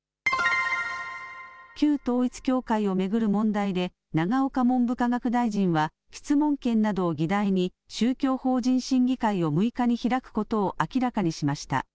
旧統一教会を巡る問題で永岡文部科学大臣は質問権などを議題に宗教法人審議会を６日に開くことを明らかにしました。